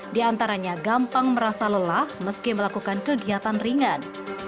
diantaranya gampang merasa lelah meski melakukan kegiatan ringan